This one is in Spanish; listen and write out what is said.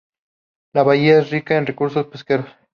La bahía es rica en recursos pesqueros.